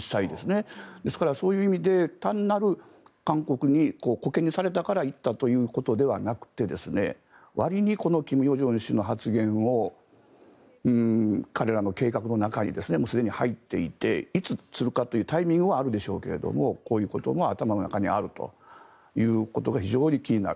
ですから、そういう意味で単なる、韓国にこけにされたから言ったということではなくてわりに金与正氏の発言を彼らの計画の中にすでに入っていていつするかというタイミングはあるでしょうけどもこういうことも頭の中にあるということが非常に気になる。